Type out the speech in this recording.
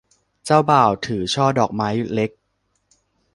เจ้าบ่าวถือช่อดอกไม้เล็ก